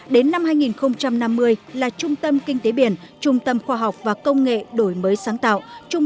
đến năm hai nghìn năm mươi là trung tâm kinh tế biển trung tâm khoa học và công nghệ đổi mới sáng tạo